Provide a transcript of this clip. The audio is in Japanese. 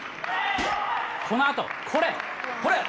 このあと、これ、これ。